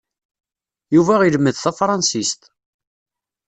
Yuba ilmed tafṛansist.